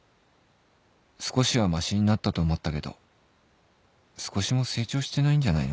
少しはマシになったと思ったけど少しも成長してないんじゃないのか